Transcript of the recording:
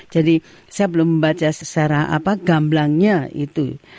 jadi saya belum membaca secara apa gamblangnya itu